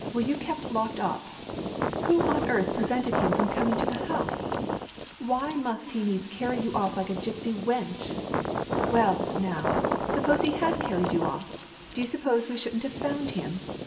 " Were you kept locked up ? Who on earth prevented him from coming to the house ? Why must he needs carry you off like a gypsy wench? — Well, now, suppose he had carried you off, do you suppose we shouldn't have found him?